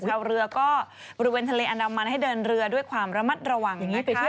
ชาวเรือก็บริเวณทะเลอันดามันให้เดินเรือด้วยความระมัดระวัง